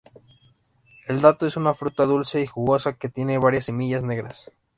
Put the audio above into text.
El dato es una fruta dulce y jugosa que tiene varias semillas negras.